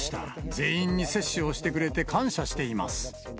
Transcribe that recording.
全員に接種をしてくれて感謝しています。